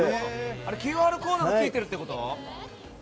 ＱＲコードがついてるってこと？